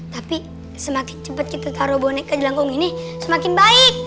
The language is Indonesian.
tapi semakin cepet kita taro bonek ke jelanggung ini semakin baik